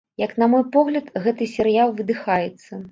Як на мой погляд, гэты серыял выдыхаецца.